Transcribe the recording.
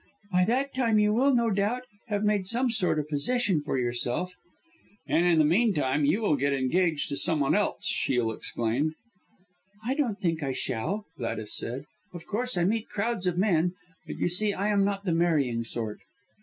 By that time you will, no doubt, have made some sort of a position for yourself." "And in the meanwhile you will get engaged to some one else," Shiel exclaimed. "I don't think I shall," Gladys said. "Of course, I meet crowds of men, but you see I am not the marrying sort."